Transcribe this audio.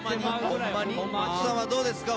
奥さまどうですか？